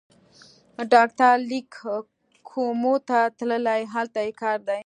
ډاکټر لېک کومو ته تللی، هلته یې کار دی.